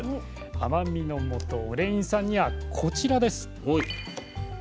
甘みのもとオレイン酸にはこちらです。